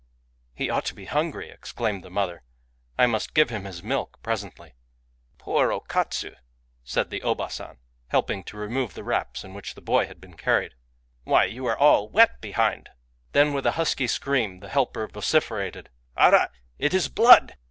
"He ought to be hungry," exclaimed the mother; "I must give him his milk presently." •••" Poor O Katsu !" said the Obaa San, help Digitized by Googk THE LEGEND OF YUREI DAKI ing to remove the wraps in which the boy had been carried, — "why, you are all wet behind!" Then, with a husky scream, the helper vocifer ated, ''Arh! it is blood!''